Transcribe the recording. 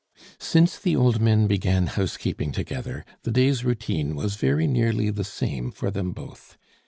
Since the old men began housekeeping together, the day's routine was very nearly the same for them both.